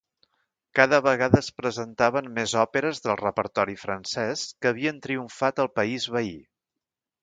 Cada vegada es presentaven més òperes del repertori francès que havien triomfat al país veí.